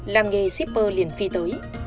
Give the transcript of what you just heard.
làm nghề shipper liền phi tới